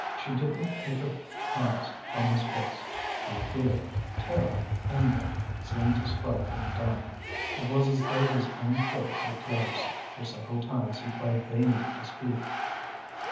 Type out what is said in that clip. She did not take her eyes from his face; the appeal, terror, in them seemed to strike him dumb. It was as though his own throat were closed, for several times he tried vainly to speak.